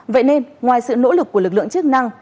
vậy nên ngoài sự nỗ lực của lực lượng chức năng